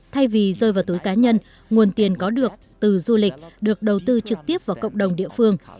thay vì rơi vào túi cá nhân nguồn tiền có được từ du lịch được đầu tư trực tiếp vào cộng đồng địa phương